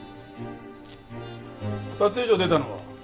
撮影所出たのは？